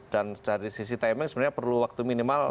dan dari sisi timing sebenarnya perlu waktu minimal